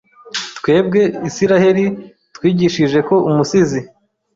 Twebwe Isiraheli twigishije ko Umusizi